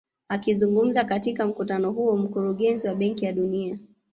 Akizungumza katika mkutano huo mkurugenzi wa benki ya dunia